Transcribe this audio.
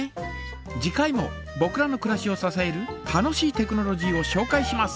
次回もぼくらのくらしをささえる楽しいテクノロジーをしょうかいします。